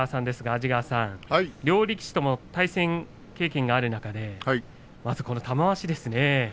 安治川さん、両力士ともに対戦経験がある中で玉鷲ですね。